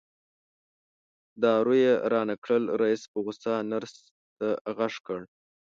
دارو یې رانه کړل رئیس په غوسه نرس ته غږ کړ.